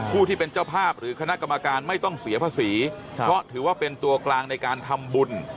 ผู้ที่เป็นเจ้าภาพหรือคณะกรรมการไม่ต้องเสียภาษีเพราะถือว่าเป็นตัวกลางในการทำบุญ